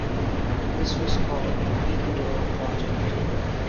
This was called the Picador project.